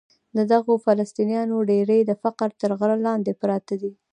د دغو فلسطینیانو ډېری د فقر تر غره لاندې پراته دي.